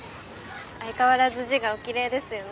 相変わらず字がおきれいですよね。